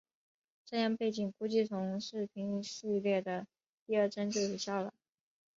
这样背景估计从视频序列的第二帧就有效了。